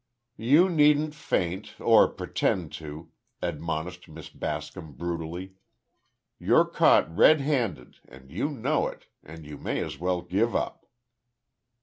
"You needn't faint—or pretend to," admonished Miss Bascom, brutally; "you're caught red handed, and you know it, and you may as well give up."